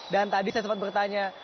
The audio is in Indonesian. dan tadi saya sempat bertanya